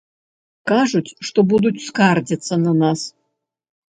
Кажуць, што будуць скардзіцца на нас.